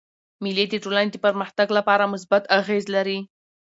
مېلې د ټولني د پرمختګ له پاره مثبت اغېز لري.